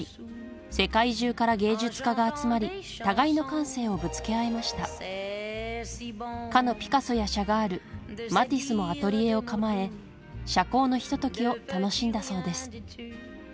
世界中から芸術家が集まり互いの感性をぶつけ合いましたかのピカソやシャガールマティスもアトリエを構え社交のひとときを楽しんだそうです